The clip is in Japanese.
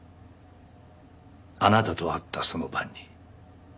あなたと会ったその晩に。